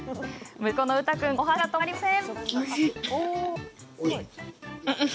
息子のうた君お箸が止まりません。